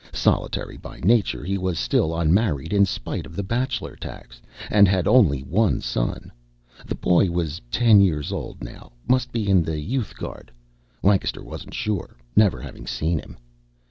Solitary by nature, he was still unmarried in spite of the bachelor tax and had only one son. The boy was ten years old now, must be in the Youth Guard; Lancaster wasn't sure, never having seen him.